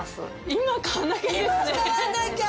今買わなきゃ！